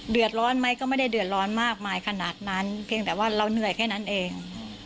เดือดร้อนไหมก็ไม่ได้เดือดร้อนมากมายขนาดนั้นเพียงแต่ว่าเราเหนื่อยแค่นั้นเอง